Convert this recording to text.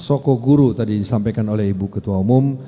soko guru tadi disampaikan oleh ibu ketua umum